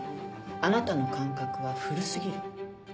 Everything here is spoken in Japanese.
あなたの感覚は古過ぎる。